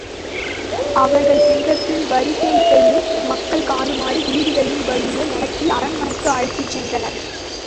அவர்கள் சென்றபின் விரிசிகையை, மக்கள் காணுமாறு வீதிகளின் வழியே நடத்தி அரண்மனைக்கு அழைத்துச் சென்றனர்.